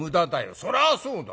そりゃそうだ。